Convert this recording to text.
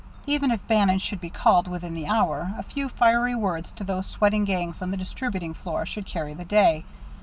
Even if Bannon should be called within the hour, a few fiery words to those sweating gangs on the distributing floor should carry the day.